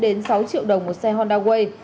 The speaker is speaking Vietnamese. với giá từ bốn sáu triệu đồng một xe honda way